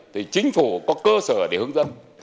thì chính phủ có cơ sở để hướng dẫn